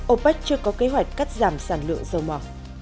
opec chưa có kế hoạch cắt giảm sản lượng dầu mỏ